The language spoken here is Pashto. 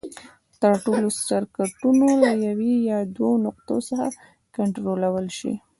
تر څو ټول سرکټونه له یوې یا دوو نقطو څخه کنټرول شي.